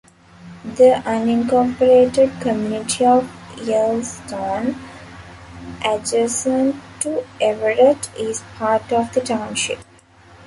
The unincorporated community of Earlston, adjacent to Everett, is part of the township.